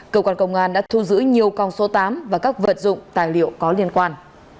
cơ quan công an đã thu giữ nhiều cong số tám và các vật dụng tài liệu có liên quan